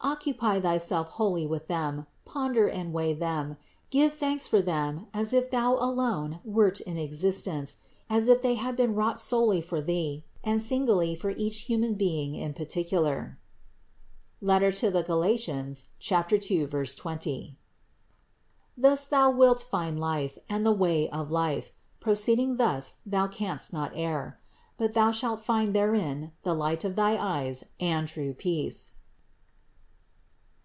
Occupy thyself wholly with them, ponder and weigh them, give thanks for them as if thou alone wert in existence, as if they had been wrought solely for thee, and singly for each human being in particular (Gal. 2, 20). Thus thou wilt find life and the way of life, proceeding thus thou canst not err; but thou shalt find therein the light of thy eyes and true peace.